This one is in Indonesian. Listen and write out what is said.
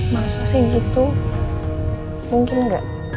maksudnya gitu mungkin enggak